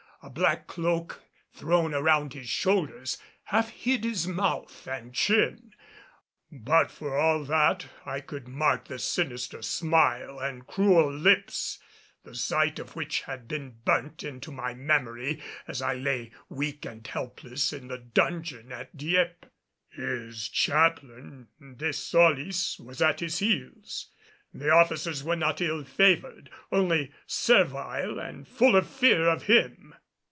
A black cloak thrown around his shoulders half hid his mouth and chin, but for all that I could mark the sinister smile and cruel lips, the sight of which had been burnt into my memory as I lay weak and helpless in the dungeon at Dieppe. His chaplain, De Solis, was at his heels. The officers were not ill favored, only servile and full of fear of him.